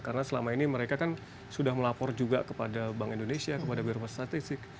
karena selama ini mereka kan sudah melapor juga kepada bank indonesia kepada biro komunikasi statistik